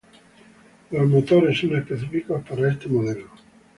Los motores son específicos para este modelo.